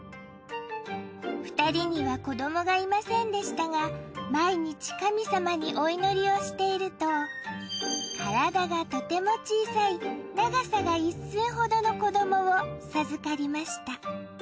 ２人には子どもがいませんでしたが毎日神様にお祈りをしていると体がとても小さい長さが一寸ほどの子どもを授かりました。